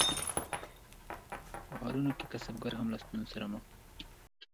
په ښارونو کې کسبګر هم له ستونزو سره مخ وو.